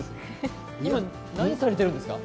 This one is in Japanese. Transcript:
今、何されてるんですか？